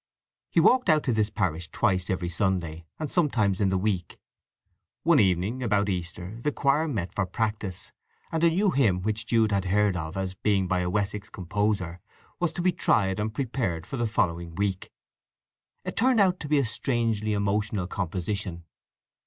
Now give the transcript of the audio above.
He walked out to this parish twice every Sunday, and sometimes in the week. One evening about Easter the choir met for practice, and a new hymn which Jude had heard of as being by a Wessex composer was to be tried and prepared for the following week. It turned out to be a strangely emotional composition.